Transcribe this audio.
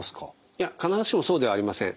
いや必ずしもそうではありません。